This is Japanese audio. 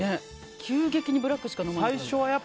急激にブラックしか飲まなくなった。